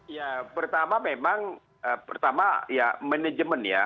ya pertama memang pertama ya manajemen ya